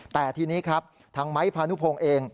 แต่ทีนี้ครับทางไม้พานุพงศ์เอง